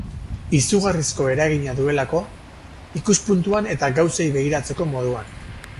Izugarrizko eragina duelako, ikuspuntuan eta gauzei begiratzeko moduan.